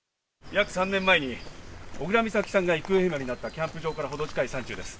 約３年前に小倉美咲さんが行方不明になったキャンプ場からほど近い山中です。